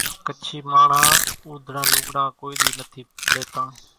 ڪڇي ماڻۿان اُوڌڙان لوڳڙان ڪونئين ۮي نٿي ليتان